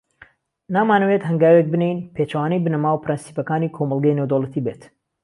نامانەوێت هەنگاوێک بنێین، پێچەوانەوەی بنەما و پرەنسیپەکانی کۆمەڵگەی نێودەوڵەتی بێت.